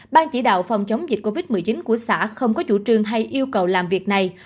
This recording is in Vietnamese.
ban chỉ đạo phòng chống dịch covid một mươi chín của xã không có chủ trương hay yêu cầu làm việc này